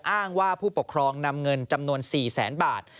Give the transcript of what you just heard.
อ้างว่าผู้ปกครองนำเงินจำนวน๔แสนบาท